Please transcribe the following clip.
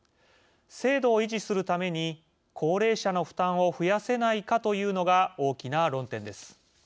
制度を維持するために高齢者の負担を増やせないかというのが大きな論点です。